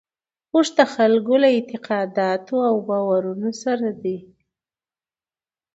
اوښ د خلکو له اعتقاداتو او باورونو سره دی.